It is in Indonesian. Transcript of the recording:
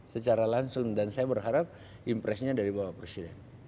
secara langsung dan saya berharap impresnya dari bapak presiden